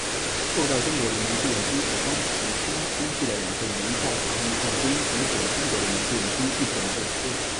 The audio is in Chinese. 受到中国人民志愿军首当其冲攻击的两个营在防御战中阻止了中国人民志愿军一整个师。